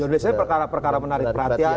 indonesia perkara perkara menarik perhatian